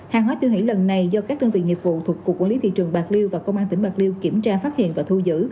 hàng hóa tiêu hủy lần này do các đơn vị nghiệp vụ thuộc cục quản lý thị trường bạc liêu và công an tỉnh bạc liêu kiểm tra phát hiện và thu giữ